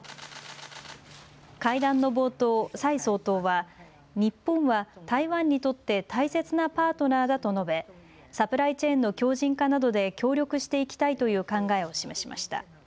会談の冒頭、蔡総統は日本は台湾にとって大切なパートナーだと述べサプライチェーンの強じん化などで協力していきたいという考えを示しました。